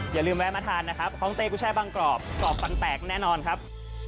อย่าลืมแวะมาทานนะครับของเต้กุชัยบางกรอบกรอบฟันแตกแน่นอนครับ